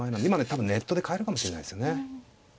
多分ネットで買えるかもしれないですよね。